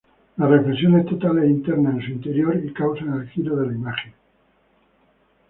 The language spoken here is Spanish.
Las reflexiones totales internas en su interior causan el giro de la imagen.